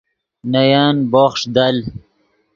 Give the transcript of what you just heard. نے ین بوخݰ دل